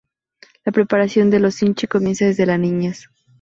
La preparación de los "sinchi" comienza desde la niñez.